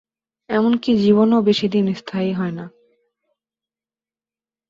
এমনকি জীবনও বেশিদিন স্থায়ী হয় না।